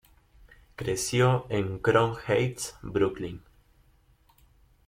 Creció en Crown Heights, Brooklyn.